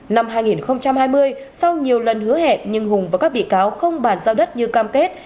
năm hai nghìn hai mươi sau nhiều lần hứa hẹp nhưng hùng và các bị cáo không bàn giao đất như cam kết